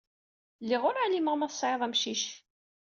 Lliɣ ur ɛlimeɣ ma tesɛiḍ amcic.